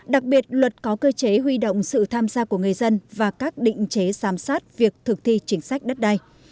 đặc biệt luật có cơ chế huy động sự tham gia của người dân và các định chế giám sát việc thực thi chính sách đất đai